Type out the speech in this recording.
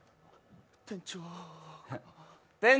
店長。